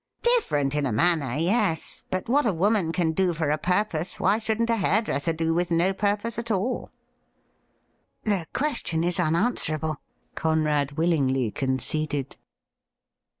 ' Different in a manner — ^yes ; but what a woman can do for a purpose, why shouldn't a hairdresser do with no purpose at all ?''' The question is unanswerable,' Conrad willingly con ceded.